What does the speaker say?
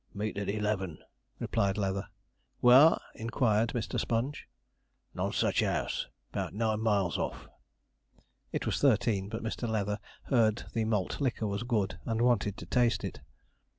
'Meet at eleven,' replied Leather. 'Where?' inquired Mr. Sponge. 'Nonsuch House, 'bout nine miles off.' It was thirteen, but Mr. Leather heard the malt liquor was good and wanted to taste it.